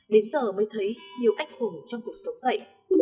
đến giờ mới thấy nhiều anh hùng trong cuộc sống vậy